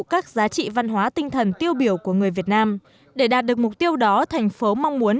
các giá trị văn hóa tinh thần tiêu biểu của người việt nam để đạt được mục tiêu đó thành phố mong muốn